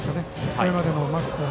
これまでのマックスは。